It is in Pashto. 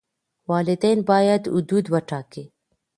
والدین به حدود وټاکي.